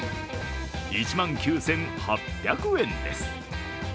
１万９８００円です。